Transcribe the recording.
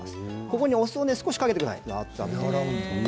ここにお酢を少しかけてください。